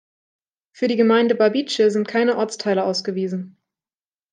Für die Gemeinde Babice sind keine Ortsteile ausgewiesen.